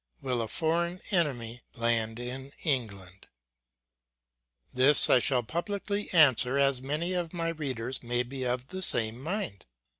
fp 7/7 a foreign enemy land in England ? This I shall publicly answer, as many of my readers may be of the same mind.